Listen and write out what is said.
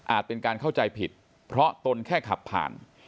เป็นการเข้าใจผิดเพราะตนแค่ขับผ่าน